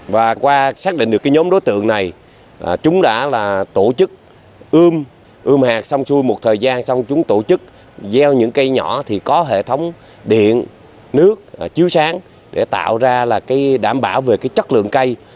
và qua xác định được cái nhóm đối tượng này chúng đã là tổ chức ươm ươm hạt xong xuôi một thời gian xong chúng tổ chức gieo những cây nhỏ thì có hệ thống điện nước chiếu sáng để tạo ra là đảm bảo về cái chất lượng cây